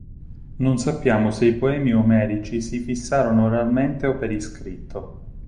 Non sappiamo se i poemi omerici si fissarono oralmente o per iscritto.